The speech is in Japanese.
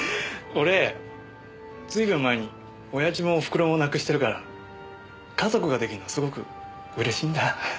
俺ずいぶん前に親父もおふくろも亡くしてるから家族が出来るのすごく嬉しいんだ。